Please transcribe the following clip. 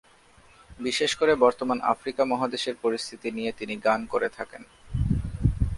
বিশেষ করে বর্তমান আফ্রিকা মহাদেশের পরিস্থিতি নিয়ে তিনি গান করে থাকেন।